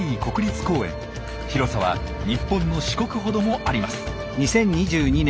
広さは日本の四国ほどもあります。